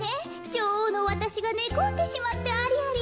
じょおうのわたしがねこんでしまってアリアリ。